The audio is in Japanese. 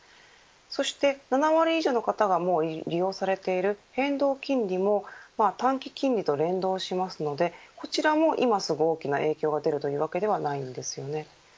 そして７割以上の人が利用されている変動金利も短期金利と連動しますのでこちらも、今すぐ大きな影響が出るというわけではないのですよね。